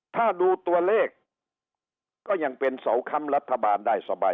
ถ้าดูตัวเลขก็ยังเป็นเสาคำรัฐบาลได้สมัครนะครับ